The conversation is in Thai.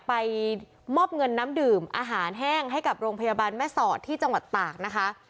ไปมอบเงินน้ำดื่มอาหารแห้งให้กับโรงพยาบาลแม่สอดที่จังหวัดตากนะคะ